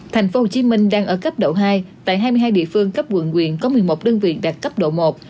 tp hcm đang ở cấp độ hai tại hai mươi hai địa phương cấp quận quyện có một mươi một đơn vị đạt cấp độ một